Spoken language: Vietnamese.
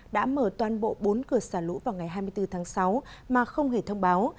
đã mở toàn bộ bốn cửa xả lũ vào ngày hai mươi bốn tháng sáu mà không hề thông báo